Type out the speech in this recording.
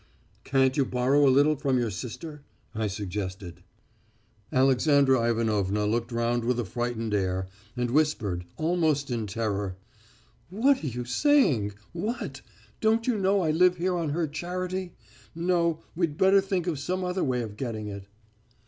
"'Can't you borrow a little from your sister?' I suggested. "Alexandra Ivanovna looked round with a frightened air, and whispered, almost in terror: "'What are you saying? What! Don't you know I live here on her charity? No, we'd better think of some other way of getting it.'